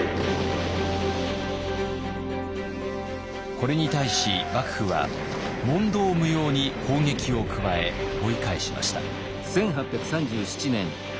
これに対し幕府は問答無用に砲撃を加え追い返しました。